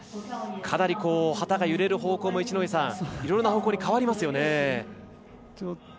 かなり、旗が揺れる方向もいろいろな方向に変わりますね。